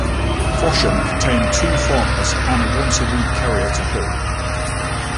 Fosham contained two farmers, and a once a week carrier to Hull.